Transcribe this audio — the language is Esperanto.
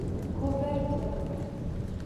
koverto